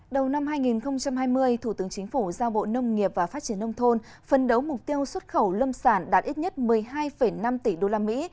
đầu năm hai nghìn hai mươi thủ tướng chính phủ giao bộ nông nghiệp và phát triển nông thôn phân đấu mục tiêu xuất khẩu lâm sản đạt ít nhất một mươi hai năm tỷ đô la mỹ